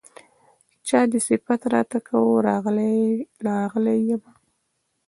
چا دې صفت راته کاوه راغلی يمه